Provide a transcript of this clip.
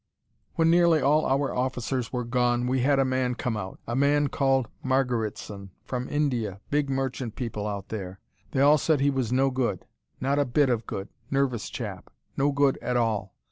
When nearly all our officers were gone, we had a man come out a man called Margeritson, from India big merchant people out there. They all said he was no good not a bit of good nervous chap. No good at all.